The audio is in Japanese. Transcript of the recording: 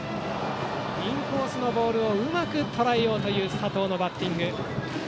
インコースのボールをうまくとらえようという佐藤のバッティング。